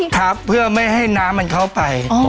ครับเพื่อไม่ให้น้ำมันเข้าไป